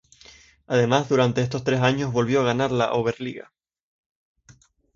Además durante estos tres años volvió a ganar la Oberliga.